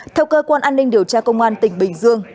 theo cơ quan an ninh điều tra công an tỉnh bình dương